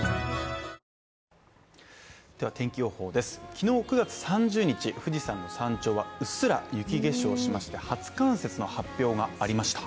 昨日９月３０日、富士山の山頂はうっすら雪化粧しまして初冠雪の発表がありました。